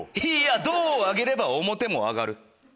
胴を上げれば面も上がる。